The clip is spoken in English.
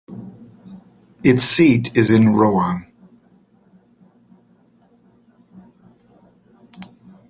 Its seat is in Roanne.